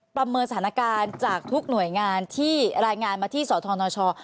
ประเมินสถานการณ์จากทุกหน่วยงานที่รายงานมาที่สธนช